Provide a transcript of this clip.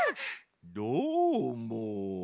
どーも。